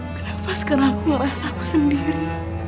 kenapa sekarang aku ngerasa aku sendiri